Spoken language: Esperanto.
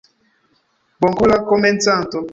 Bonkora Komencanto.